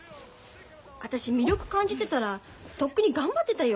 私魅力感じてたらとっくに頑張ってたよ。